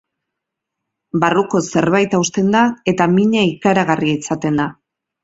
Barruko zerbait hausten da, eta mina ikaragarria izaten da.